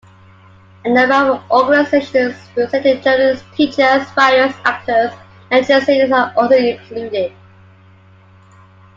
A number of organizations representing journalists, teachers, writers, actors and translators are also included.